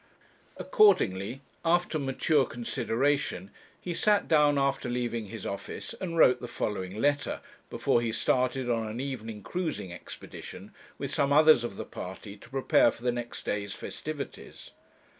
Accordingly, after mature consideration, he sat down after leaving his office, and wrote the following letter, before he started on an evening cruising expedition with some others of the party to prepare for the next day's festivities.